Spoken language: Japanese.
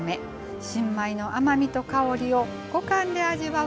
新米の甘みと香りを五感で味わう